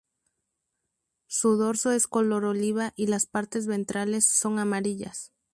Su dorso es color oliva y las partes ventrales son amarillas.